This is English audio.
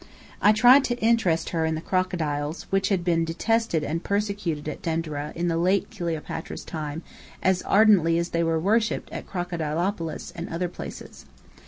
I tried to interest her in the crocodiles, which had been detested and persecuted at Denderah in the late Cleopatra's time as ardently as they were worshipped at Crocodilopolis and other places.